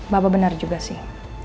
bapak benar juga sih